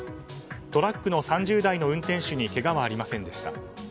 トラックの３０台の運転手にけがはありませんでした。